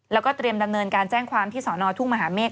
แล้วก็เตรียมดำเนินการแจ้งความที่สอนอทุ่งมหาเมฆ